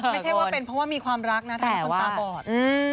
ไม่ใช่ว่าเป็นเพราะว่ามีความรักนะทำให้คนตาบอด